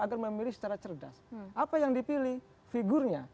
agar memilih secara cerdas apa yang dipilih figurnya